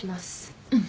うん。